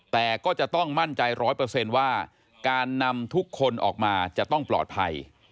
แต่ก็จะต้องมั่นใจร้อยเปอร์เซ็นต์ว่าการนำทุกคนออกมาจะต้องปลอดภัย